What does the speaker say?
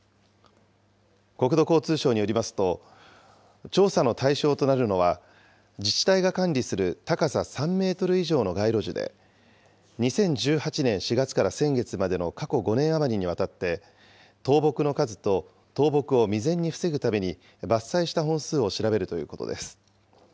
国土交通省によりますと、調査の対象となるのは、自治体が管理する高さ３メートル以上の街路樹で、２０１８年４月から先月までの過去５年余りにわたって、倒木の数と、倒木を未然に防ぐために伐採した本数を調べるということです。